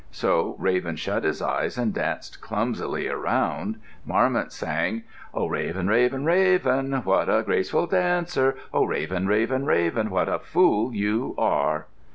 So Raven shut his eyes and danced clumsily around. Marmot sang, "Oh, Raven, Raven, Raven, what a graceful dancer! Oh, Raven, Raven, Raven, what a fool you are!"